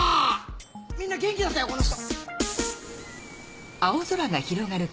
みんな元気になったよこの人。